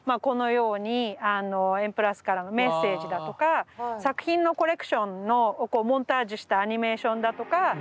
このように「Ｍ＋」からのメッセージだとか作品のコレクションのこうモンタージュしたアニメーションだとか。